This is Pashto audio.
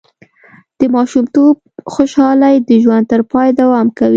د ماشومتوب خوشحالي د ژوند تر پایه دوام کوي.